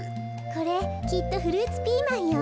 これきっとフルーツピーマンよ。